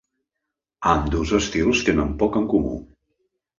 Ambdós estils tenen poc en comú.